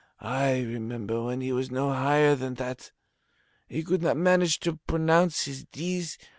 I remember when he was no higher than that. He could not manage to pronounce his Ds.